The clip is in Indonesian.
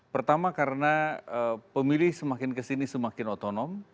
pertama karena pemilih semakin kesini semakin otonom